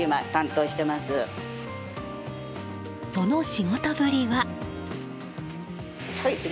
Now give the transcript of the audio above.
その仕事ぶりは。